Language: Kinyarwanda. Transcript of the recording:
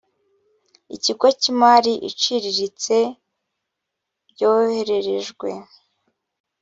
ikigo cy imari iciriritse byohererejwe